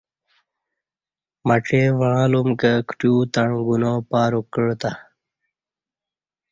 مڄیں وعاں ل م کہ کٹیو تݩع گناپا رک کعہ تں